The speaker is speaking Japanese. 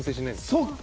そうか！